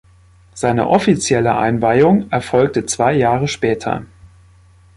Seine offizielle Einweihung erfolgte zwei Jahre später.